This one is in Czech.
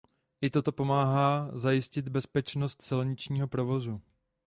I toto pomáhá zajistit bezpečnost silničního provozu.